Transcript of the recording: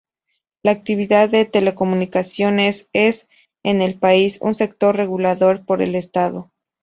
La actividad de telecomunicaciones es, en el país, un sector regulado por el Estado.